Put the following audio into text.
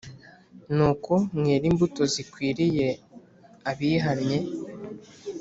Nuko mwere imbuto zikwiriye abihannye.